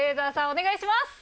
お願いします！